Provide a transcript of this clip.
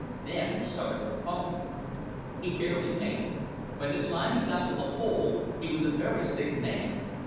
Then he started for home. He barely made it. By the time he got to the hole, he was a very sick man.